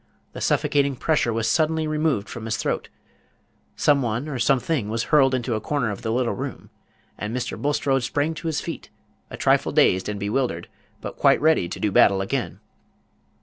The suffocating pressure was suddenly removed from his throat; some one or something was hurled into a corner of the little room; and Mr. Bulstrode sprang to his feet, a trifle dazed and bewildered, but quite ready to do battle again.